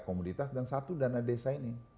komoditas dan satu dana desa ini